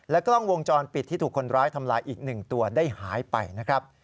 กล้องวงจรปิดที่ถูกคนร้ายทำลายอีก๑ตัวได้หายไปนะครับ